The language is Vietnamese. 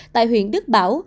tại huyện đức bảo